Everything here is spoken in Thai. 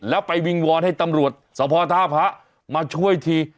แล้วไปวิงวอนให้ตำรวจสภท่าพระมาช่วยที